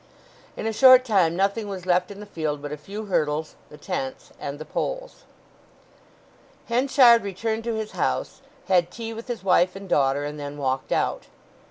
In a short time nothing was left in the field but a few hurdles, the tents, and the poles. Henchard returned to his house, had tea with his wife and daughter, and then walked out.